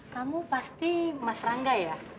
kamu pasti mas rangga ya